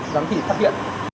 giám thị phát hiện